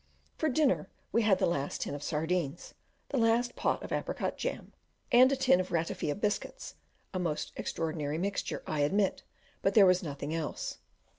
For dinner we had the last tin of sardines, the last pot of apricot jam, and a tin of ratifia biscuits a most extraordinary mixture, I admit, but there was nothing else.